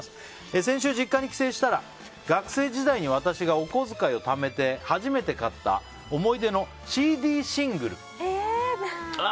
先週実家に帰省したら学生時代に私がお小遣いをためて初めて買った思い出のＣＤ